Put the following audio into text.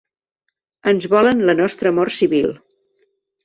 Ens volen la nostra mort civil.